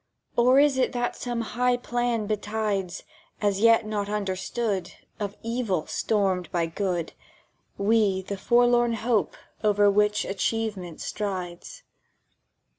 "Or is it that some high Plan betides, As yet not understood, Of Evil stormed by Good, We the Forlorn Hope over which Achievement strides?"